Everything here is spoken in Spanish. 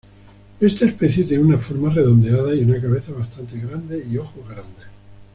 Esta especie tiene una forma redondeada y una cabeza bastante grande y ojos grandes.